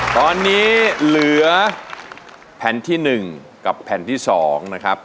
ตอนนี้เหลือแผ่นที่๑กับแผ่นที่๒นะครับ